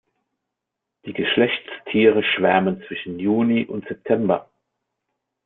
Die Geschlechtstiere schwärmen zwischen Juni und September.